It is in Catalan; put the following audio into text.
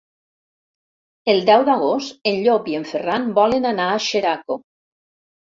El deu d'agost en Llop i en Ferran volen anar a Xeraco.